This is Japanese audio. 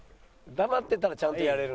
黙ってたらちゃんとやれるんだね。